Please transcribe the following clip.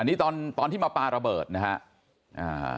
อันนี้ตอนที่มาปลาระเบิดนะครับ